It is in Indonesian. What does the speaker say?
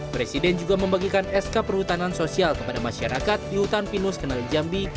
presiden juga membagikan sk perhutanan sosial kepada masyarakat di hutan pinus kenali jambi